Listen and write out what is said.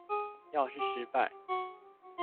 要是失敗